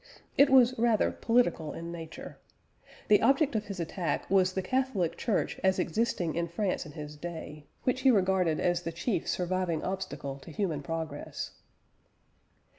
It was, rather, political in character. The object of his attack was the Catholic Church as existing in France in his day, which he regarded as the chief surviving obstacle to human progress.